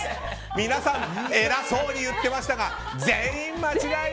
皆さん、偉そうに言ってましたが全員間違い！